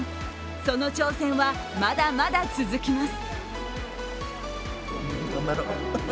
その挑戦は、まだまだ続きます。